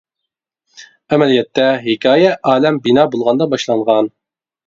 ئەمەلىيەتتە ھېكايە ئالەم بىنا بولغاندا باشلانغان.